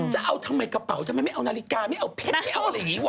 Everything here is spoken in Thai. จะเอาทำไมกระเป๋าทำไมไม่เอานาฬิกาไม่เอาเพชรไม่เอาอะไรอย่างนี้ว่